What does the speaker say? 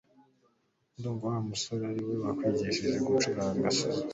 Ndumva Wa musore ariwe wakwigishije gucuranga selo